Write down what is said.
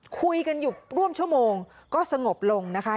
คุยกันอยู่ร่วมชั่วโมงก็สงบลงนะคะ